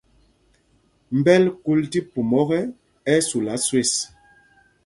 Mbɛ̂l kúl tí pum ɔ́kɛ, ɛ́ ɛ́ sula swes.